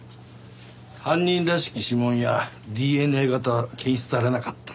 犯人らしき指紋やＤＮＡ型は検出されなかった。